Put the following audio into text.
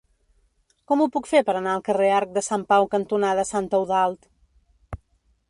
Com ho puc fer per anar al carrer Arc de Sant Pau cantonada Sant Eudald?